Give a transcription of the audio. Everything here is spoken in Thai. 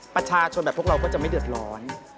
ประชาชนแบบพวกเราก็จะไม่เดือดร้อน